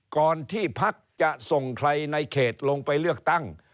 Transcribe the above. ก่อนที่พักจะส่งใครในเขตลงไปเลือกตั้ง